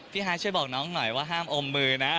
ฮายช่วยบอกน้องหน่อยว่าห้ามอมมือนะ